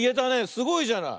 すごいじゃない。